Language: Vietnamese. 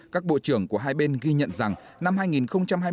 các bộ trưởng của hai bên ghi nhận rằng năm hai nghìn hai mươi là năm đặt dấu mốc